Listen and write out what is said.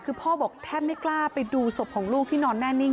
คือพ่อบอกแทบไม่กล้าไปดูศพของลูกที่นอนแน่นิ่ง